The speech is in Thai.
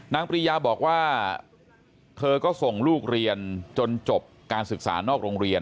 ปริยาบอกว่าเธอก็ส่งลูกเรียนจนจบการศึกษานอกโรงเรียน